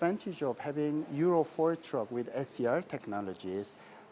untuk mendapatkan perangkat euro empat dengan teknologi scr